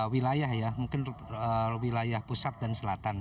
wilayah ya mungkin wilayah pusat dan selatan